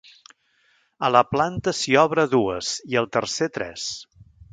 A la planta s'hi obre dues i al tercer tres.